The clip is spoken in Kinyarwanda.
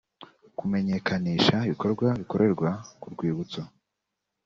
kumenyekanisha ibikorwa bikorerwa ku rwibutso